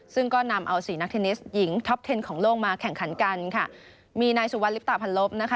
ซึ่งก็นำเอาสี่นักเทนนิสหญิงท็อปเทนของโลกมาแข่งขันกันค่ะมีนายสุวรรลิปตะพันลบนะคะ